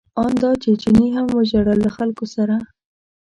ان دا چې چیني هم وژړل له خلکو سره.